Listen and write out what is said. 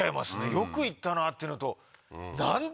よく行ったなっていうのと。